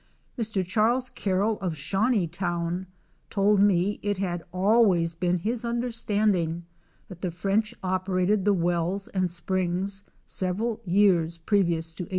247 Mr. Charles Carroll of Shawneetown, told me it had always been his understanding that the French operated the wells and springs several years previous to 1800.